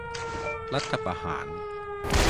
รัฐประหาร